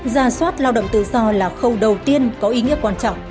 gia soát lao động tự do là khâu đầu tiên có ý nghĩa quan trọng